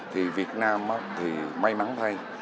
thì việt nam thì may mắn thay